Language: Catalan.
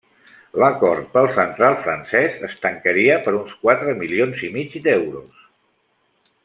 L'acord pel central francès es tancaria per uns quatre milions i mig d'euros.